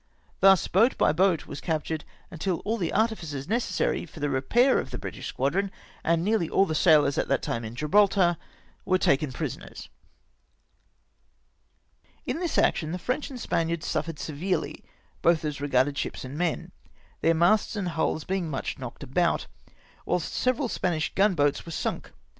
Thus boat by boat was captured until all the artificers necessary for the repair of the British squadron, and nearly all the sailors at that time in Gibraltar, were taken prisoners! In this action the French and Spaniards suffered severely both as regarded ships and men, theu" masts and hulls being much knocked about, whilst several Spanish gunboats w^ere sunk.